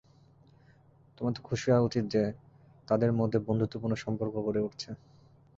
তোমার তো খুশি হওয়া উচিত যে, তাদের মধ্য বন্ধুত্বপূর্ণ সম্পর্ক গড়ে উঠছে।